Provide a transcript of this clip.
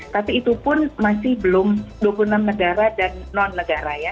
tapi itu pun masih belum dua puluh enam negara dan non negara ya